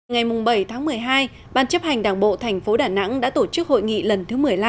ngày bảy tháng một mươi hai ban chấp hành đảng bộ thành phố đà nẵng đã tổ chức hội nghị lần thứ một mươi năm